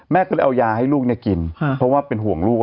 ก็เลยเอายาให้ลูกกินเพราะว่าเป็นห่วงลูก